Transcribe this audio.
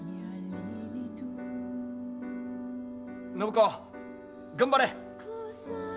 暢子頑張れ！